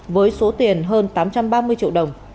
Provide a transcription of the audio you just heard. với số tiền hơn tám trăm ba mươi triệu đồng